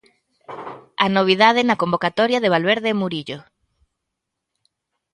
A novidade na convocatoria de Valverde é Murillo.